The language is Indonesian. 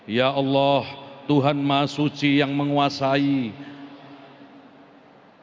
ya allah tuhan mahasuci yang menguasakan